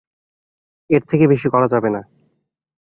এর থেকে বেশি করা যাবে না।